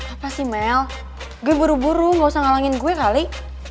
apa sih mel gue buru buru gak usah ngalangin gue kali